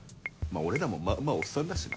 俺らもまあまあおっさんだしな。